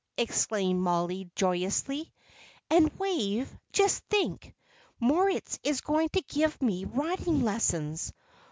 exclaimed Mollie, joyously. "And Wave, just think! Moritz is going to give me riding lessons!